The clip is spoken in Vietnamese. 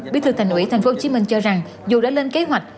bí thư thành ủy tp hcm cho rằng dù đã lên kế hoạch